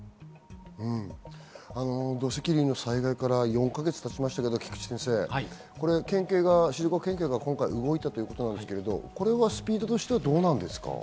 土石流の災害から４か月たちましたけど、菊地先生、これ、静岡県警が動いたということですけれども、スピードとしてはどうですか？